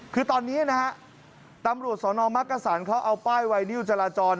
คือตอนนี้นะฮะตำรวจสนมักกษันเขาเอาป้ายไวนิวจราจร